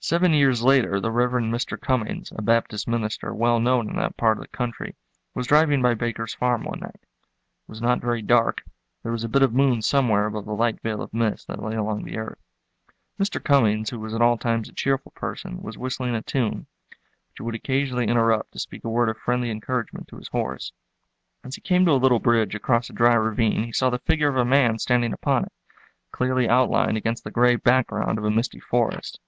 Seven years later the Rev. Mr. Cummings, a Baptist minister well known in that part of the country, was driving by Baker's farm one night. It was not very dark: there was a bit of moon somewhere above the light veil of mist that lay along the earth. Mr. Cummings, who was at all times a cheerful person, was whistling a tune, which he would occasionally interrupt to speak a word of friendly encouragement to his horse. As he came to a little bridge across a dry ravine he saw the figure of a man standing upon it, clearly outlined against the gray background of a misty forest.